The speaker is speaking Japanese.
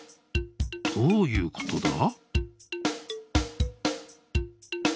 どういうことだ？